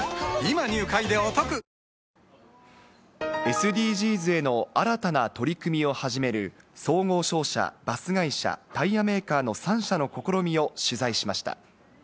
ＳＤＧｓへの新たな取り組みを始める総合商社、バス会社、タイヤメーカーの３社の試みを取材しました。